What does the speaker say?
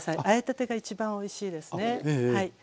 あえたてが一番おいしいですね。